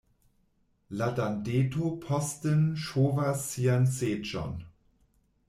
La dandeto posten ŝovas sian seĝon.